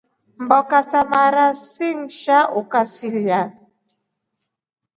Mboka sa mara singisha kwasila.